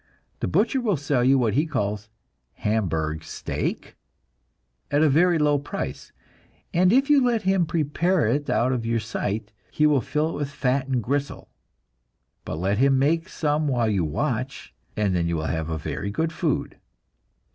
The butcher will sell you what he calls "hamburg steak" at a very low price, and if you let him prepare it out of your sight, he will fill it with fat and gristle; but let him make some while you watch, and then you have a very good food.